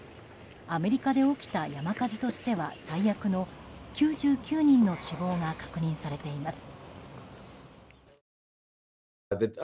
アメリカで起きた山火事としては最悪の９９人の死亡が確認されています。